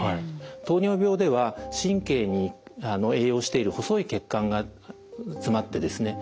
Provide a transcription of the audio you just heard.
糖尿病では神経に栄養している細い血管がつまってですね